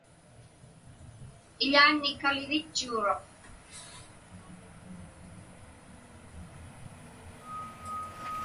Iḷaanni kalivitchuuruq.